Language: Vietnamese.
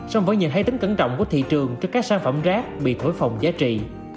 so với những hãy tính cẩn trọng của thị trường cho các sản phẩm rác bị thối phồng giá trị